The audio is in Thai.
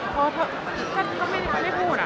ถ้าไม่ได้พูดอะ